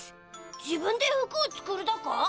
自分で服を作るだか？